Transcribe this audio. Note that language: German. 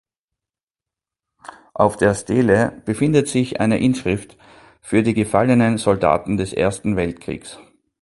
Auf der Stele befindet sich eine Inschrift für die gefallenen Soldaten des Ersten Weltkriegs.